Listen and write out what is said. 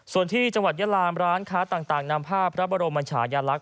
ส่วนที่จังหวัดยาลามร้านค้าต่างนำภาพพระบรมชายลักษ